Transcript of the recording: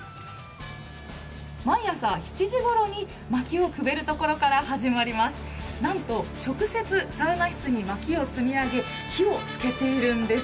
毎朝７時頃にまきをくべるところから始まるんです。